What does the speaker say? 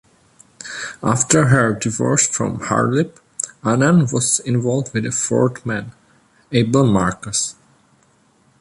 After her divorce from Harlib, Annan was involved with a fourth man, Able Marcus.